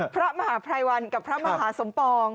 พระมหาภัยวันกับพระมหาสมปอง